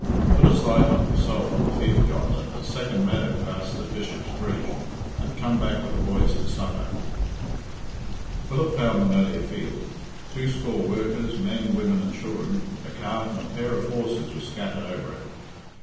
Put a sight on himself on the field yonder, the second meadow past the Bishop's bridge, and come back with the boys to supper." Philip found the Melliah field. Two score workers, men, women, and children, a cart and a pair of horses were scattered over it.